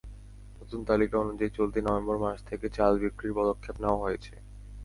নতুন তালিকা অনুযায়ী চলতি নভেম্বর মাস থেকে চাল বিক্রির পদক্ষেপ নেওয়া হয়েছে।